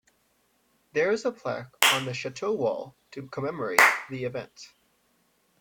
There is a plaque on the château wall to commemorate the event.